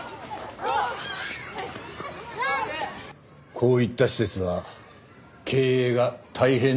こういった施設は経営が大変なんでしょうねえ。